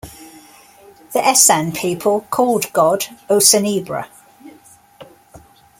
The Esan people called God "Osenebra".